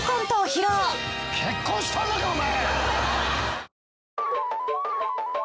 結婚しとんのかお前！